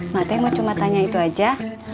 mak teh mau cuma tanya itu aja